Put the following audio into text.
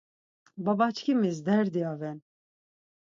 Babaçkimis derdi aven.